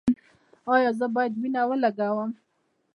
ایا زه باید وینه ولګوم؟